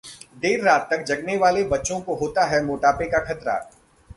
देर रात तक जगने वाले बच्चों को होता है मोटापे का खतरा